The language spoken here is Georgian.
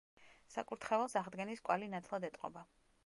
საკურთხეველს აღდგენის კვალი ნათლად ეტყობა.